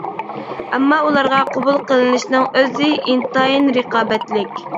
ئەمما ئۇلارغا قوبۇل قىلىنىشنىڭ ئۆزى ئىنتايىن رىقابەتلىك.